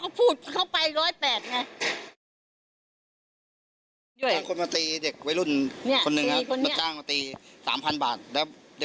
เขาพูดกับคนอื่นบอกว่าให้สองล้านบ้าง